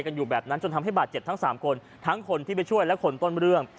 อยู่แบบนั้นจนทำให้บาดเจ็บทั้งสามคนทั้งคนที่ไปช่วยและคนต้นเรื่อง